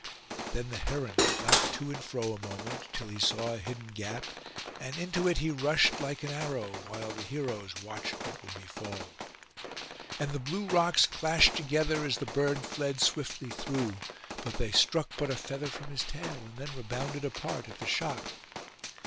Then the heron flapped to and fro a moment, till he saw a hidden gap, and into it he rushed like an arrow, while the heroes watched what would befall. And the blue rocks clashed together as the bird fled swiftly through; but they struck but a feather from his tail, and then rebounded apart at the shock.